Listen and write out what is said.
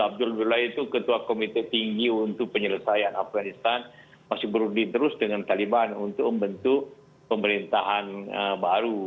abdul abdullah itu ketua komite tinggi untuk penyelesaian afganistan masih berunding terus dengan taliban untuk membentuk pemerintahan baru